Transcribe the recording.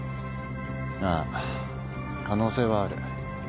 ああ可能性はある。